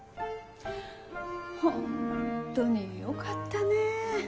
本当によかったねえ。